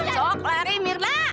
sok lari mirna